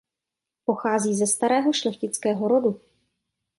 Pochází ze starého šlechtického rodu.